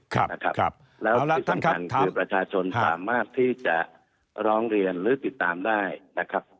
ครับนะครับครับแล้วครับประชาชนท็ามาสที่จะร้องเรียนหรือติดตามได้นะครับ